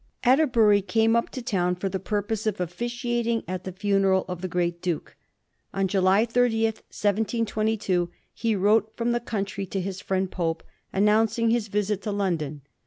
Atterbury came up to town for the purpose of officiating at the ftmeral of the great Duke. On July 30, 1722, he wrote fi*om the coimtry to his friend Pope, announcing his visit to London.